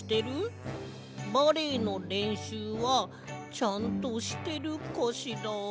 バレエのれんしゅうはちゃんとしてるかしら？」。